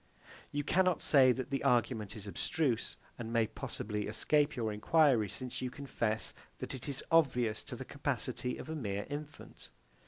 You cannot say that the argument is abstruse, and may possibly escape your enquiry; since you confess that it is obvious to the capacity of a mere infant.